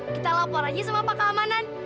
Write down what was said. kita lapor saja sama pak keamanan